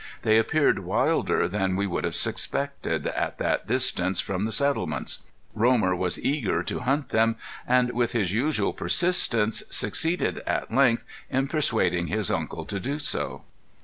They appeared wilder than we would have suspected, at that distance from the settlements. Romer was eager to hunt them, and with his usual persistence, succeeded at length in persuading his uncle to do so.